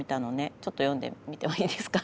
ちょっと詠んでみてもいいですか。